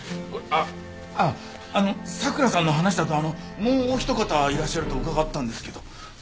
あっあの佐倉さんの話だともうお一方いらっしゃると伺ったんですけど。